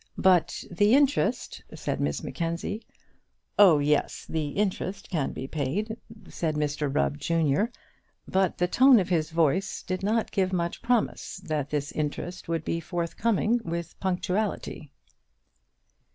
"But the interest," said Miss Mackenzie. "Oh, yes! the interest can be paid," said Mr Rubb, junior, but the tone of his voice did not give much promise that this interest would be forthcoming with punctuality.